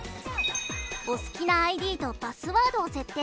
お好きなＩＤとパスワードを設定。